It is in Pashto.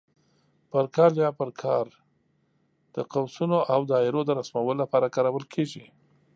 پر کال یا پر کار د قوسونو او دایرو د رسمولو لپاره کارول کېږي.